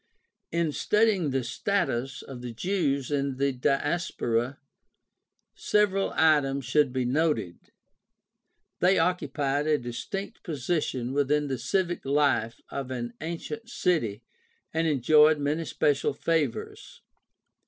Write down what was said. — In studying the status of the Jews in the Diaspora several items should be noted. They occupied a distinct position within the civic hfe of an ancient city and enjoyed many special favors.